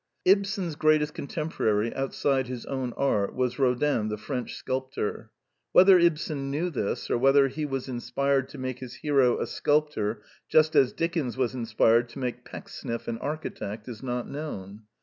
Ibsen's greatest contemporary outside his own art was Rodin the French sculptor. Whether Ibsen knew this, or whether he was inspired to make his hero a sculptor just as Dickens was in spired to make Pecksniff an architect, is not known.